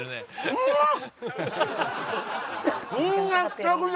うまっ！